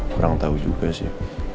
kurang tau juga sih